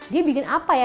dia bikin apa ya